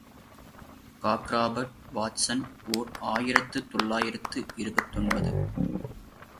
Cockcroft, Watson, ஓர் ஆயிரத்து தொள்ளாயிரத்து இருபத்தொன்பது.